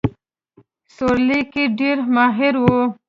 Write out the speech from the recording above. سورلۍ کې ډېر ماهر وو.